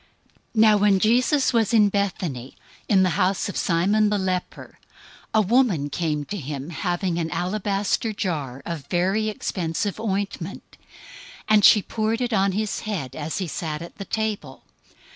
026:006 Now when Jesus was in Bethany, in the house of Simon the leper, 026:007 a woman came to him having an alabaster jar of very expensive ointment, and she poured it on his head as he sat at the table.